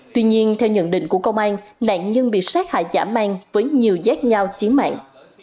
tuy nhiên theo nhận định của công an nạn nhân bị sát hại giả mang với nhiều giác nhau chí mạng